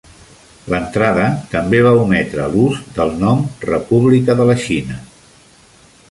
L'entrada també va ometre l'ús del nom "República de la Xina".